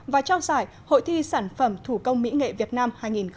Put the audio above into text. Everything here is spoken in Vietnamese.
và trao giải hội thi sản phẩm thủ công mỹ nghệ việt nam hai nghìn hai mươi